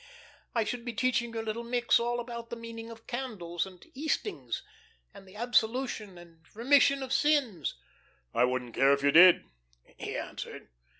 I should be teaching your little micks all about the meaning of candles, and 'Eastings,' and the absolution and remission of sins." "I wouldn't care if you did," he answered.